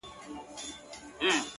راسره جانانه ستا بلا واخلم-